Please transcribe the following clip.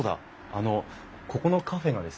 あのここのカフェがですね